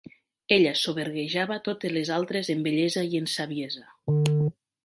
Ella soberguejava totes les altres en bellesa i en saviesa.